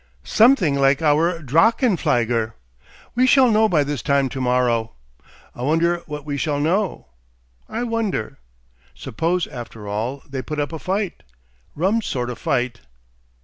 "Something like our drachenflieger.... We shall know by this time to morrow.... I wonder what we shall know? I wonder. Suppose, after all, they put up a fight.... Rum sort of fight!"